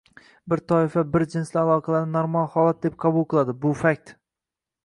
Bir toifa birjinsli aloqalarni normal holat deb qabul qiladi, bu – fakt.